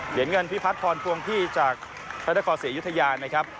เหรียญเงินพิพัฒนพรพวงพี่จากพระนครศรีอยุธยานะครับ